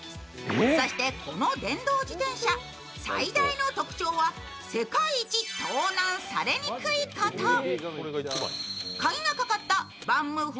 そしてこの電動自転車、最大の特徴は世界一盗難されにくいこと。